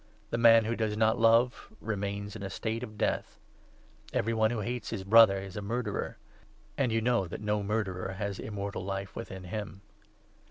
The man who does not love remains in a state of Death. Every one who hates his Brother is a murderer ; and 15 you know that no murderer has Immortal Life within him.